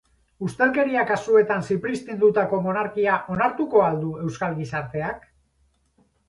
Ustelkeria kasuetan zipriztindutako monarkia onartuko al du euskal gizarteak?